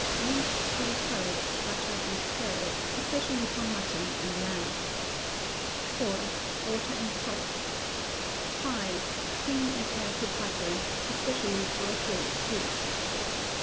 Minced sweet herbs, butter, and claret, especially for mutton and lamb. iv. Water and salt. v. Cream and melted butter, especially for a flayed pig.